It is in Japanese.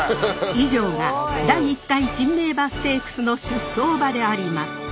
以上が第１回珍名馬ステークスの出走馬であります！